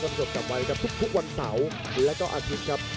ต้องกดกลับไว้ครับทุกวันเสาร์และอาทิตย์ครับ